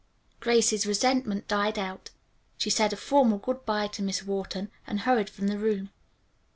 Grace's resentment died out. She said a formal good bye to Miss Wharton and hurried from the room.